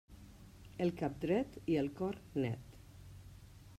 El cap dret i el cor net.